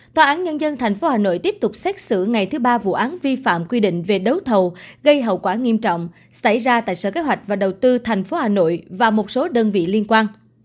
tòa án nhân dân tp hà nội tiếp tục xét xử ngày thứ ba vụ án vi phạm quy định về đấu thầu gây hậu quả nghiêm trọng xảy ra tại sở kế hoạch và đầu tư tp hà nội và một số đơn vị liên quan